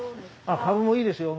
あっカブもいいですよ。